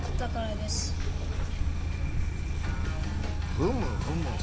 ふむふむ。